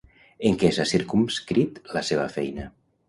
En què s'ha circumscrit la seva feina?